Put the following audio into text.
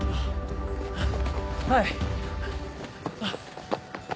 はい。